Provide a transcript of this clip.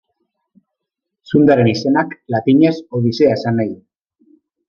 Zundaren izenak latinez Odisea esan nahi du.